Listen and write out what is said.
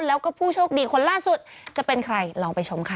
แล้วก็ผู้โชคดีคนล่าสุดจะเป็นใครลองไปชมค่ะ